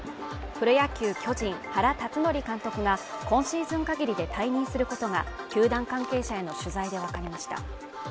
プロ野球巨人・原辰徳監督が今シーズンかぎりで退任することが球団関係者への取材で分かりました